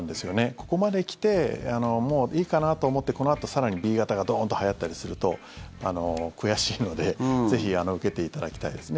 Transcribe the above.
ここまで来てもういいかなと思ってこのあと更にＢ型がドーンとはやったりすると悔しいのでぜひ受けていただきたいですね。